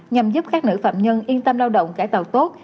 nhằm giúp các nữ phạm nhân yên tâm lao động cải tạo tốt